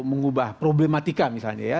mengubah problematika misalnya ya